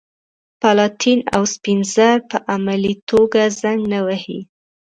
پلاتین او سپین زر په عملي توګه زنګ نه وهي.